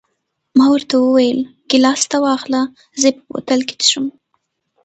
ما ورته وویل: ګیلاس ته واخله، زه یې په بوتل کې څښم.